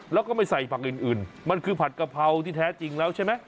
แล้วก็ไม่ใส่ผักอื่นมันคือผัดกะเพราที่แท้จริงแล้วใช่ไหม